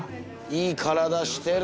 いい体してる！